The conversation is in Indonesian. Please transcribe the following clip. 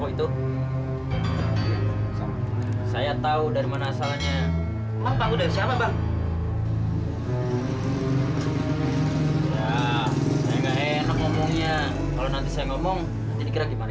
iya bu kasian mereka bu